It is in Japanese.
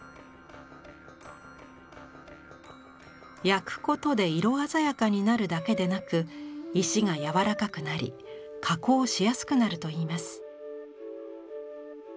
焼くことで色鮮やかになるだけでなく石がやわらかくなり加工しやすくなるといいます。